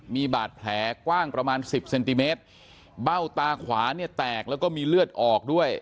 มีบาดแผลกว้างประมาณสิบเซนติเมตรเบ้าตาขวาเนี่ยแตกแล้วก็มีเลือดออกด้วย